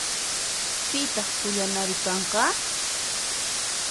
Pitaq qullanari kanqa?